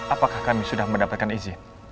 apakah kami sudah mendapatkan izin